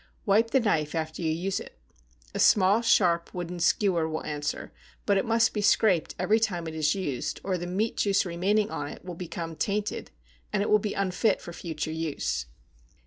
Wipe the knife after you use it. A small, sharp wooden skewer will answer, but it must be scraped every time it is used, or the meat juice remaining on it will become tainted, and it will be unfit for future use.